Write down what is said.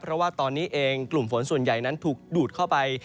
เพราะว่าตอนนี้เองกลุ่มฝนส่วนใหญ่นั้นถูกดูดเข้าไป